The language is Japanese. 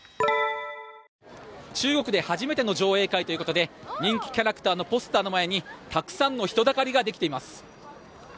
中国で初めての上映会ということで人気キャラクターのポスターの前にたくさんの人だかりができています。